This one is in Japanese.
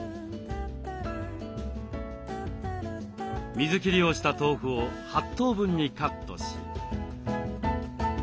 水切りをした豆腐を８等分にカットし。